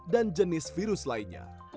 dan jenis virus lainnya